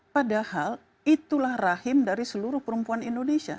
padahal itulah rahim dari seluruh perempuan indonesia